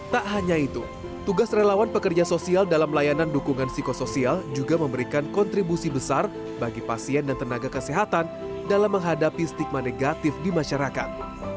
tak hanya itu tugas relawan pekerja sosial dalam layanan dukungan psikosoial juga memberikan kontribusi besar bagi pasien dan tenaga kesehatan dalam menghadapi stigma negatif di masyarakat